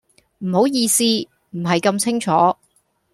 唔好意思，唔係咁清楚